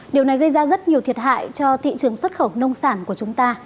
điều này gây ra rất nhiều thiệt hại cho thị trường xuất khẩu nông sản của chúng ta